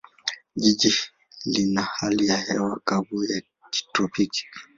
Jiji lina hali ya hewa kavu ya kitropiki.